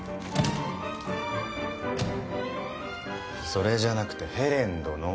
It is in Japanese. それじゃなくてヘレンドの。